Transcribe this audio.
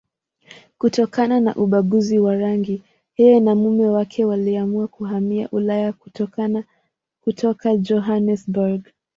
Kutokana na ubaguzi wa rangi, yeye na mume wake waliamua kuhamia Ulaya kutoka Johannesburg.